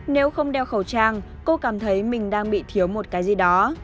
nếu không đeo khẩu trang cô cảm thấy mình đang bị thiếu một cái gì đó